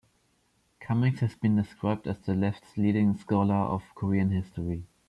Cumings has been described as the left's leading scholar of Korean history.